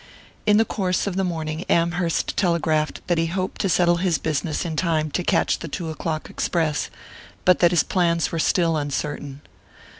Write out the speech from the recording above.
In the course of the morning Amherst telegraphed that he hoped to settle his business in time to catch the two o'clock express, but that his plans were still uncertain.